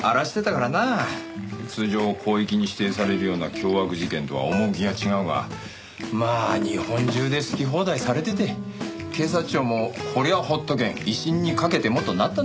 通常広域に指定されるような凶悪事件とは趣が違うがまあ日本中で好き放題されてて警察庁もこりゃあ放っておけん威信にかけてもとなったんだろう。